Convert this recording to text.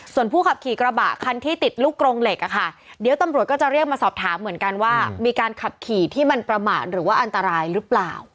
ส่วนผู้ขับขี่กระบะคันที่ติดลูกกรงเหล็กอะค่ะเดี๋ยวตำรวจก็จะเรียกมาสอบถามเหมือนกันว่ามีการขับขี่ที่มันประมาทหรือว่าอันตรายหรือเปล่า